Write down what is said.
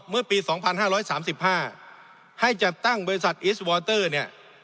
สามสิบห้าให้จัดตั้งบริษัทอีสเวอร์เตอร์เนี่ย